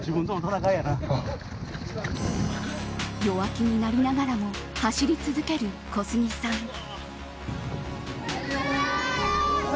弱気になりながらも走り続ける小杉さん。